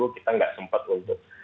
kita nggak sempat untuk